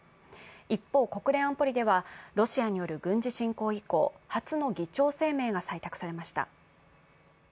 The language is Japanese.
一方、国連安保理ではロシアによる軍事侵攻以降初の議長声明が採択されました。